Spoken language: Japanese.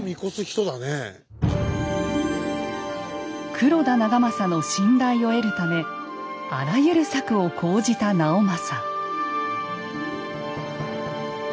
黒田長政の信頼を得るためあらゆる策を講じた直政。